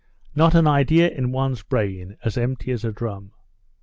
Not an idea in one's brain, as empty as a drum!"